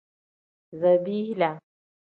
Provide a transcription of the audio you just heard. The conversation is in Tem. Zabiila.